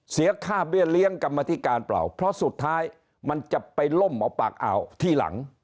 เสียค่าเบี้ยเลี้ยงกรรมธิการเปล่าเพราะสุดท้ายมันจะไปล่มเอาปากอ่าวที่หลัง